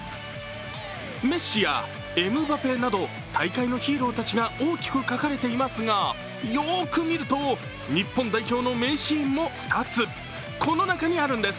メッシやエムバペなど大会のヒーローたちが大きく描かれていますがよーく見ると日本代表の名シーンも２つ、この中にあるんです。